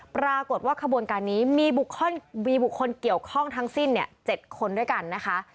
ปรากฏว่าขบวนการนี้มีบุคคลเกี่ยวข้องทั้งสิ้น๗คนด้วยกันนะคะ